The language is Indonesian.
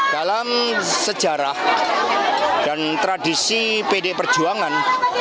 dalam sejarah dan tradisi pd perjuangan